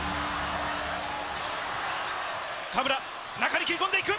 河村、中に切り込んでいく。